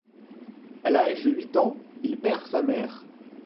À l'âge de huit ans, il perd sa mère.